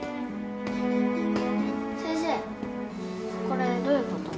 これどういうこと？